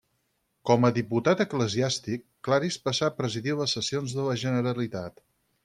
Com a diputat eclesiàstic, Claris passà a presidir les sessions de la Generalitat.